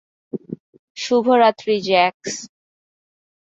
শুভ রাত্রি, জ্যাক্স।